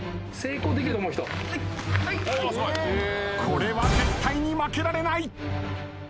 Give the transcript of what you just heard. これは絶対に負けられない。